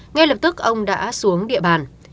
ngay lập tức ông đã xuống địa bàn